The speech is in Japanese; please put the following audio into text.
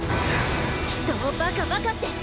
人をバカバカって。